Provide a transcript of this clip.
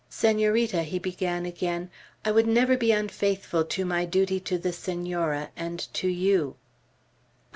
"Senorita," he began again, "I would never be unfaithful to my duty to the Senora, and to you."